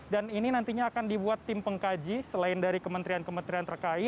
dan ini nantinya akan dibuat oleh dpr ri